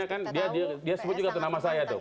dia kan dia sebut juga tuh nama saya tuh